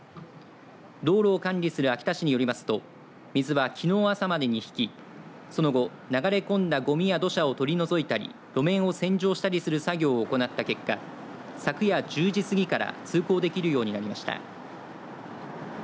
道路を管理する秋田市によりますと水は、きのう朝までに引きその後、流れ込んだごみや土砂を取り除いたり路面を洗浄したりする作業を行った結果昨夜１０時過ぎから通行できるようになりました。